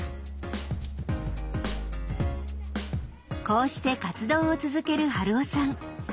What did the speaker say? こうして活動を続ける春雄さん。